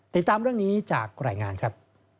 ติดตามเรื่องนี้จากรายงานครับ